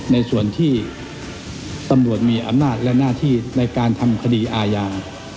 ในส่วนที่ตำรวจมีอำนาจและหน้าที่ในการทำคดีอาญา